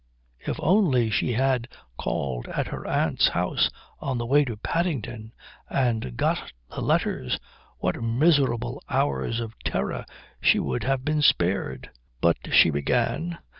If only she had called at her aunt's house on the way to Paddington and got the letters what miserable hours of terror she would have been spared! "But " she began.